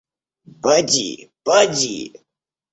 Поди, поди!